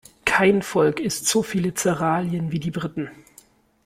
Kein Volk isst so viele Zerealien wie die Briten.